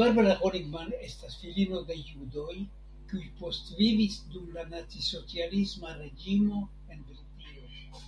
Barbara Honigmann estas filino de judoj kiuj postvivis dum la nacisocialisma reĝimo en Britio.